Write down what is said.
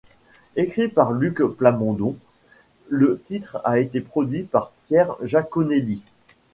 Écrit par Luc Plamondon, le titre a été produit par Pierre Jaconelli.